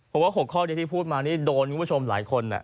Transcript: ผมว่า๖ข้อนี้ที่พูดมานี่โดนคุณผู้ชมหลายคน